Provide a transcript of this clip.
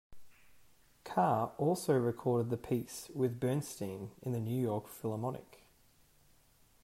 Karr also recorded the piece with Bernstein and the New York Philharmonic.